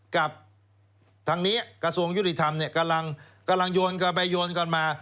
กับทางนี้กระทรวงยุติธรรมเนี่ยกำลังโยนกันไปโยนกันมา